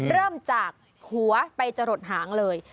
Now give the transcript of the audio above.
เริ่มจากหัวไปจะหลดหางเลย